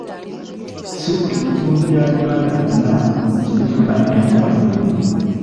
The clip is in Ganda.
Si buli bitundu bya Uganda byonna nti bifuna enkuba nnyingi.